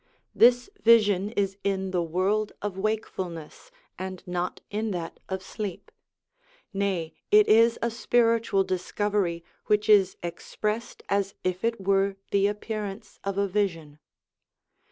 This vision is in the world of wakefulness, and not in that of sleep. Nay, it is a spiritual discovery which is expressed as if it were the appearance of a vision.